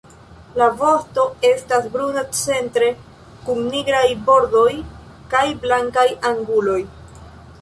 La vosto estas bruna centre, kun nigraj bordoj kaj blankaj anguloj.